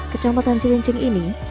kecamatan cilincing ini